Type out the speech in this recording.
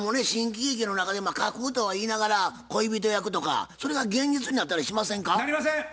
新喜劇の中で架空とはいいながら恋人役とかそれが現実になったりしませんか？